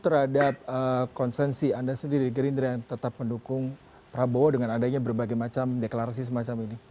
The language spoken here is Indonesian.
terhadap konsensi anda sendiri di gerindra yang tetap mendukung prabowo dengan adanya berbagai macam deklarasi semacam ini